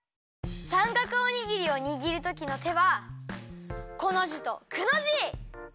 さんかくおにぎりをにぎるときの手はコの字とくの字！